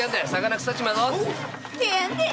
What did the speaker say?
てやんでえ！